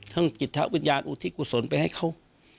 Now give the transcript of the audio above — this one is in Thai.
ต้องกิจสระวิญญาณอุทิกุศลไปให้เขา